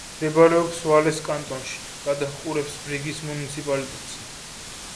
მდებარეობს ვალეს კანტონში; გადაჰყურებს ბრიგის მუნიციპალიტეტს.